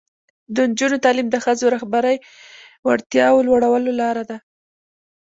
د نجونو تعلیم د ښځو رهبري وړتیا لوړولو لاره ده.